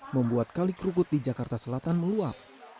membuat kali kerukut di jakarta selatan meluap